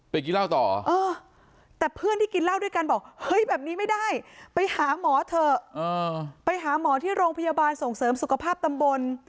กินเหล้าต่อแต่เพื่อนที่กินเหล้าด้วยกันบอกเฮ้ยแบบนี้ไม่ได้ไปหาหมอเถอะไปหาหมอที่โรงพยาบาลส่งเสริมสุขภาพตำบล